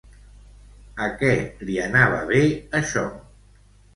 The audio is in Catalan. A què li anava bé això?